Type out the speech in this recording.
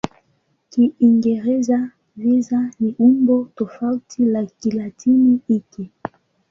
Kiingereza "visa" ni umbo tofauti la Kilatini hiki.